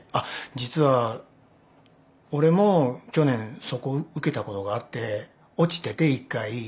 実は俺も去年そこを受けたことがあって落ちてて一回。